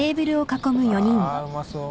あうまそう。